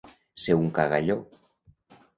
Ser un cagalló.